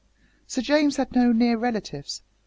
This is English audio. Sir James had no near relatives.